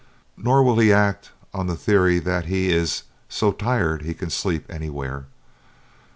Nor will he act on the theory that he is "so tired he can sleep anywhere."